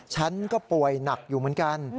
ฉันก็ป่วยหนักอยู่เหมือนกัน